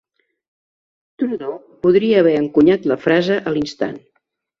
Trudeau podria haver encunyat la frase a l'instant.